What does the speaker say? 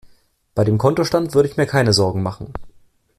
Bei dem Kontostand würde ich mir keine Sorgen machen.